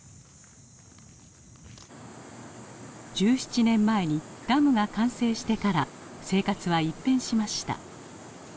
１７年前にダムが完成してから生活は一変しました。